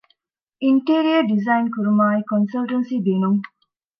އިންޓީރިއަރ ޑިޒައިން ކުރުމާއި ކޮންސަލްޓަންސީ ދިނުން